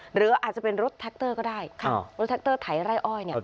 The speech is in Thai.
หรืออาจจะเป็นรถแท็กเตอร์ก็ได้รถแท็กเตอร์ไถไร่อ้อย